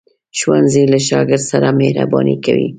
ښوونځی له شاګرد سره مهرباني کوي